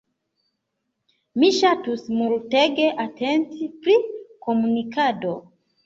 Mi ŝatus multege atenti pri komunikado.